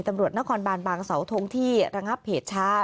ตำรวจนครบานบางเสาทงที่ระงับเหตุช้า